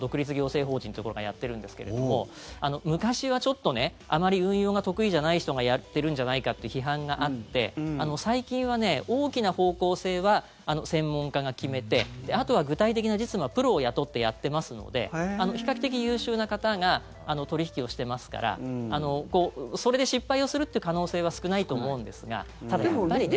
独立行政法人っていうところがやってるんですけれども昔はあまり運用が得意じゃない人がやってるんじゃないかって批判があって最近は大きな方向性は専門家が決めてあとは具体的な実務はプロを雇ってやっていますので比較的、優秀な方が取引をしてますからそれで失敗をするっていう可能性は少ないと思うんですがただ、やっぱりね。